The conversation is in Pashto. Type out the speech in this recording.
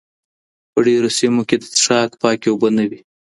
په ډېرو سیمو کي د څښاک پاکي اوبه نه وي.